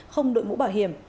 không đội ngũ bảo hiểm